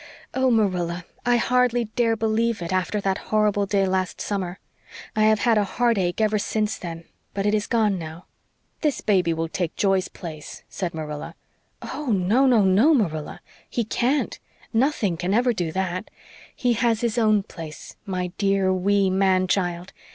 "Oh, Marilla, I hardly dare believe it, after that horrible day last summer. I have had a heartache ever since then but it is gone now." "This baby will take Joy's place," said Marilla. "Oh, no, no, NO, Marilla. He can't nothing can ever do that. He has his own place, my dear, wee man child.